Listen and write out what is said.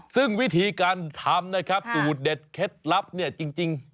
ซึ่งวิธีการทำนะครับสูตรเด็ดเคล็ดลับเนี่ยจริง